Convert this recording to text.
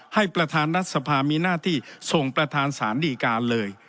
ให้ประธานรัฐสภามีหน้าที่ส่งประธานสารดีการเลย